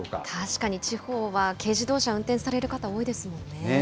確かに、地方は軽自動車、運転される方、多いですもんね。